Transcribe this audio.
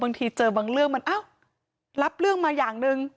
บางทีเจอบางเรื่องมันอ้าวรับเรื่องมาอย่างหนึ่ง